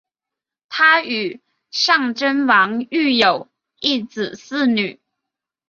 她与尚贞王育有一子四女。